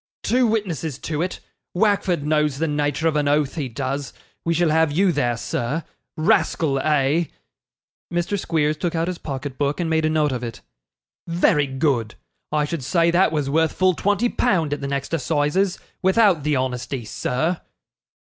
'Two witnesses to it; Wackford knows the nature of an oath, he does; we shall have you there, sir. Rascal, eh?' Mr. Squeers took out his pocketbook and made a note of it. 'Very good. I should say that was worth full twenty pound at the next assizes, without the honesty, sir.